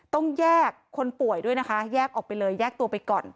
ต้องแยกคนป่วยด้วยนะคะแยกออกไปเลยแยกตัวไปก่อน